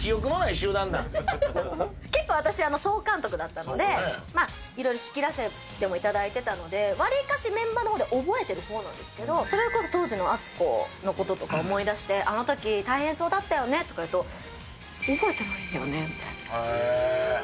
結構、私、総監督だったので、いろいろ仕切らせてもいただいてたので、わりかしメンバーのこと、覚えてるほうなんですけど、それこそ当時の敦子のこととか思い出して、あのとき大変そうだったよねとかって言うと、覚えてないんだよねみたいな。